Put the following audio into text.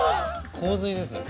洪水ですね